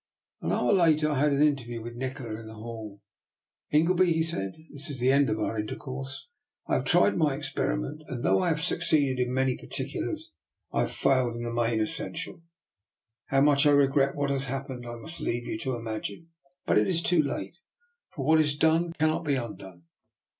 An hour later I had an interview with Nikola in the hall. " Ingleby," he said, " this is the end of our intercourse. I have tried my experiment, and though I have succeeded in many particu lars, I have failed in the main essential. How DR. NIKOLA'S EXPERIMENT. 307 much I regret what has happened, I must leave you to imagine; but it is too late: what is done cannot be undone.